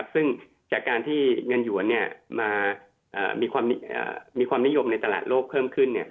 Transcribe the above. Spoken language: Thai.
ซึ่งจากการที่เงินหยวนมีความนิยมในตลาดโลกเพิ่มขึ้น